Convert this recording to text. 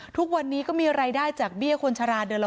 ทุกวันนี้มีอะไรได้จากเบี้ยคนชราเดือนละ๖๐๐